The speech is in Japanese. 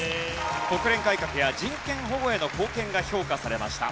国連改革や人権保護への貢献が評価されました。